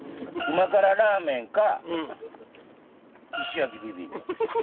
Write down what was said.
旨辛ラーメンか石焼ピビンパ。